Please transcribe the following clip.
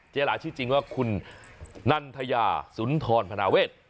หลาชื่อจริงว่าคุณนันทยาสุนทรพนาเวท